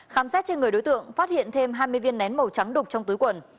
khám xét trên người đối tượng phát hiện thêm hai mươi viên nén màu trắng đục trong túi quần